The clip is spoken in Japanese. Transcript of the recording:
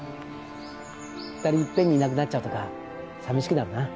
二人いっぺんにいなくなっちゃうとか寂しくなるな